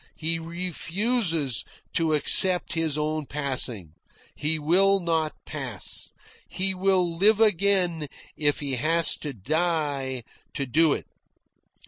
He refuses to accept his own passing. He will not pass. He will live again if he has to die to do it.